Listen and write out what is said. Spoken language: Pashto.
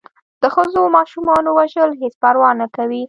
د ښځو و ماشومانو وژل هېڅ پروا نه کوي.